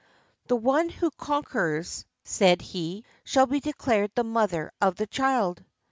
" The one who conquers," said he, "shall be declared the mother of the child."